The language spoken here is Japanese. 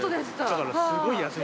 だからすごい安い。